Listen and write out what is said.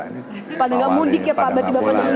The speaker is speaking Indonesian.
paling gak mundik ya pak berarti bapak nyembunyung ya